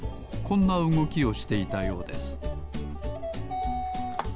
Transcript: こんなうごきをしていたようです